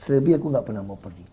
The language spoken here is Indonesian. selebihnya gue gak pernah mau pergi